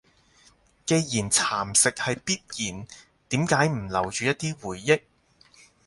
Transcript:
既然蠶蝕係必然，點解唔留住一啲回憶？